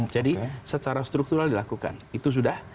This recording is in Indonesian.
jadi secara struktural dilakukan itu sudah